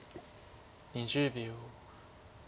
２０秒。